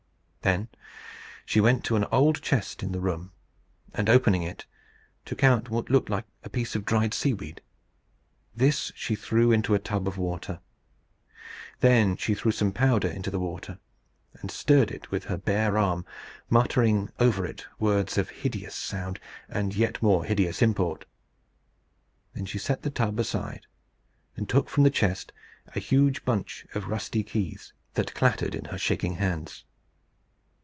Then she went to an old chest in the room, and opening it, took out what looked like a piece of dried seaweed. This she threw into a tub of water. Then she threw some powder into the water, and stirred it with her bare arm, muttering over it words of hideous sound, and yet more hideous import. Then she set the tub aside, and took from the chest a huge bunch of a hundred rusty keys, that clattered in her shaking hands.